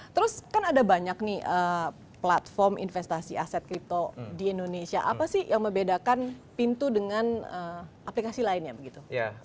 terus kan ada banyak nih platform investasi aset kripto di indonesia apa sih yang membedakan pintu dengan aplikasi lainnya begitu